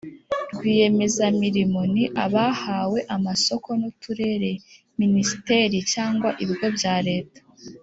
rwiyemezamirimo ni abahawe amasoko n uturere Minisiteri cyangwa ibigo bya Leta